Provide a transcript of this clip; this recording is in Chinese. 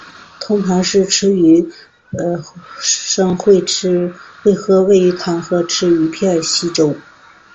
通常在吃鱼生会喝鱼头汤和吃鱼片稀粥。